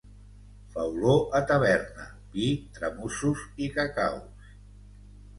Fa olor a taverna: vi, tramussos i cacaus.